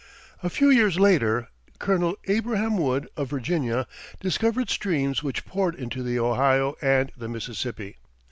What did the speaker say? A few years later Colonel Abraham Wood, of Virginia, discovered streams which poured into the Ohio and the Mississippi.